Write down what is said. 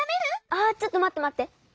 あちょっとまってまって。